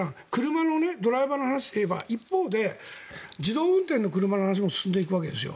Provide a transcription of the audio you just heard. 車のドライバーの話で言えば一方で自動運転の車の話も進んでいくわけですよ。